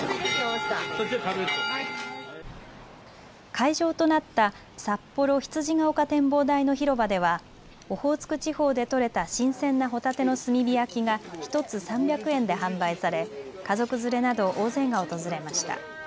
会場となったさっぽろ羊ヶ丘展望台の広場ではオホーツク地方で取れた新鮮なホタテの炭火焼きが１つ３００円で販売され家族連れなど大勢が訪れました。